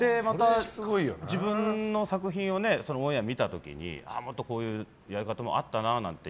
自分の作品をオンエア見た時にもっと、こういうやり方もあったななんて